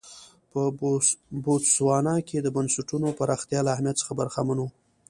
په بوتسوانا کې د بنسټونو پراختیا له اهمیت څخه برخمن و.